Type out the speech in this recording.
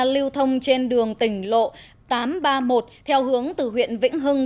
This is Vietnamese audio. lưu thông trên đường tỉnh lộ tám trăm ba mươi một theo hướng từ huyện vĩnh hưng